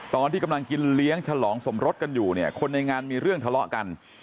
ตอนที่กำลังกินเลี้ยงฉลองสมรสกันอยู่เนี่ยคนในงานมีเรื่องทะเลาะกัน